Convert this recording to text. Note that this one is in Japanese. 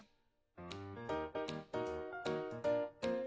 はい。